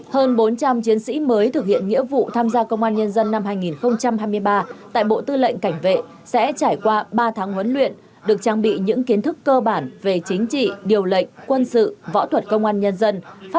hơn bốn trăm linh chiến sĩ mới thực hiện nghĩa vụ tham gia công an nhân dân năm hai nghìn hai mươi ba tại bộ tư lệnh cảnh vệ sẽ trải qua ba tháng huấn luyện được trang bị những kiến thức cơ bản về chính trị điều lệnh quân sự võ thuật công an nhân dân